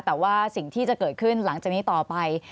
แต่ว่าสิ่งที่จะเกิดขึ้นหลังจากนี้ต่อไป